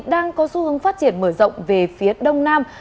đang có xu hướng phát triển mở rộng về phía đông nam